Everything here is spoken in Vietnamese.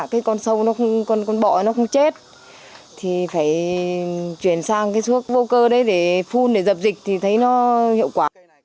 cái con sâu nó con bọ nó không chết thì phải chuyển sang cái thuốc vô cơ đấy để phun để dập dịch thì thấy nó hiệu quả